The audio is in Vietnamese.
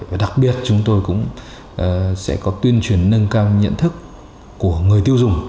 và đặc biệt chúng tôi cũng sẽ có tuyên truyền nâng cao nhận thức của người tiêu dùng